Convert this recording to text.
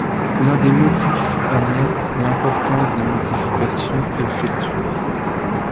L'un des motifs en est l'importance des modifications effectuées.